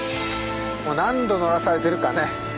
もう何度乗らされてるかね。